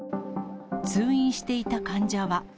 通院していた患者は。